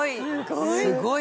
すごい！